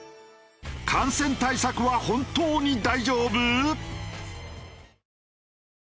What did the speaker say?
感染対策は本当に大丈夫？